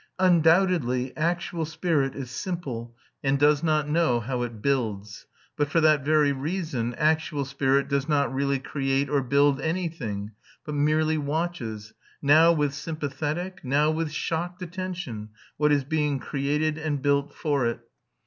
Undoubtedly actual spirit is simple and does not know how it builds; but for that very reason actual spirit does not really create or build anything, but merely watches, now with sympathetic, now with shocked attention, what is being created and built for it.